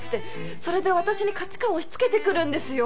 それで私に価値観を押しつけてくるんですよ。